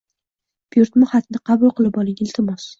Buyurtma xatni qabul qilib oling, iltimos.